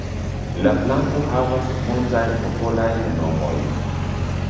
La planto havas multajn popolajn nomojn.